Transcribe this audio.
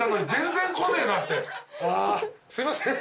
すいません。